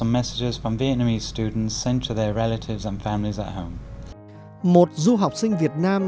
một du học sinh việt nam